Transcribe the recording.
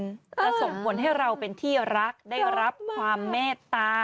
จะส่งผลให้เราเป็นที่รักได้รับความเมตตา